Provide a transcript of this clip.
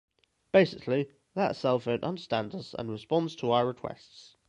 Basically, that the cellphone understands us and responds to our requests.